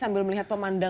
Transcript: pemandangan yang indah